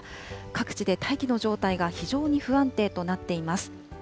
各地で大気の状態が非常に不安定となっています。